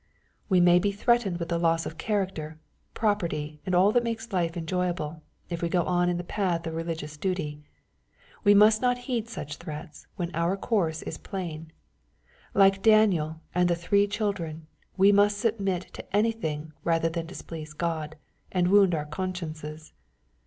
We may be threatened with the loss of character, property, and all that makes life enjoyable, if we go on in the path of re ligious duty. We must not heed such threats, when our course is plain. Like Daniel and the three children, we must submit to anything rather than displease God, and wound our consciences.